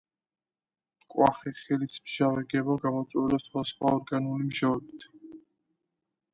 მკვახე ხილის მჟავე გემო გამოწვეულია სხვადასხვა ორგანული მჟავებით.